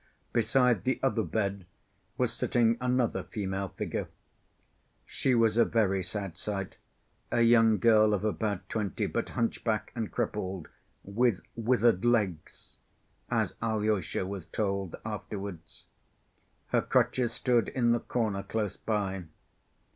Beside the other bed was sitting another female figure. She was a very sad sight, a young girl of about twenty, but hunchback and crippled "with withered legs," as Alyosha was told afterwards. Her crutches stood in the corner close by.